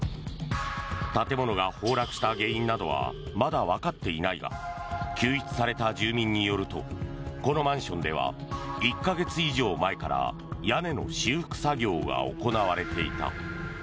建物が崩落した原因などはまだわかっていないが救出された住民によるとこのマンションでは１か月以上前から屋根の修復作業が行われていた。